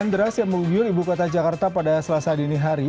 kanderas yang menghubungi ibu kota jakarta pada selasa dini hari